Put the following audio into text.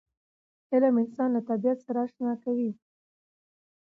علم انسان له طبیعت سره اشنا کوي.